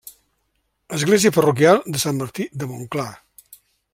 Església parroquial de Sant Martí de Montclar.